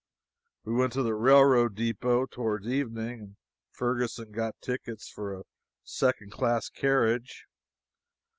We went to the railroad depot, toward evening, and Ferguson got tickets for a second class carriage.